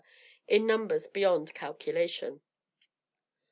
in numbers beyond calculation.